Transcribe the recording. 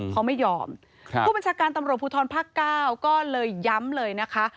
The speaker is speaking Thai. ผู้บริษัทการปุฒิภูทรภักษ์๙เลยย้ำเลยนะคะ